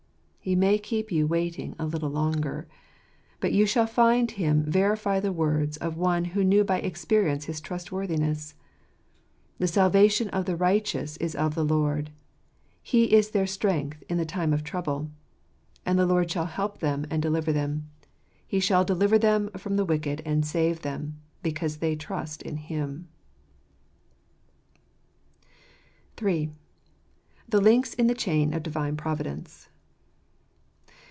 He may keep you waiting a little longer; but you shall find Him verify the words of one who knew by experience his trust worthiness: "The salvation of the righteous is of the Lord; He is their strength in the time of trouble. And the Lord shall help them, and deliver them ; He shall deliver them from the wicked and save them, because they trust in Him." III. The Links in the Chain of Divine Providence.